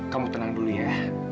kamu tenang dulu ya